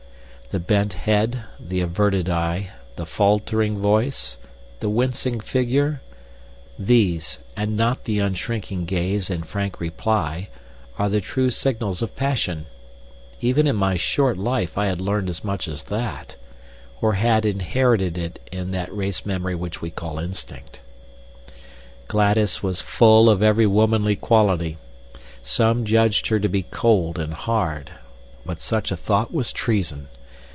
The bent head, the averted eye, the faltering voice, the wincing figure these, and not the unshrinking gaze and frank reply, are the true signals of passion. Even in my short life I had learned as much as that or had inherited it in that race memory which we call instinct. Gladys was full of every womanly quality. Some judged her to be cold and hard; but such a thought was treason.